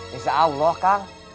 ya se allah kang